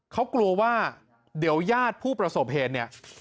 เขากลัวว่าเดี๋ยวญาติผู้ประสบเหตุเนี่ย